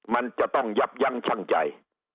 มันจะต้องยับยั้งชั่งใจ